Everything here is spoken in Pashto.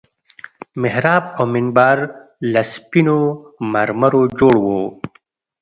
محراب او منبر له سپينو مرمرو جوړ وو.